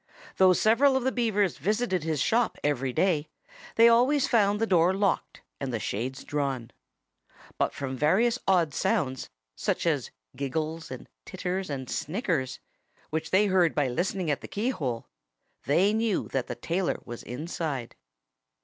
Though several of the Beavers visited his shop every day, they always found the door locked and the shades drawn. But from various odd sounds such as giggles and titters and snickers which they heard by listening at the keyhole, they knew that the tailor was inside.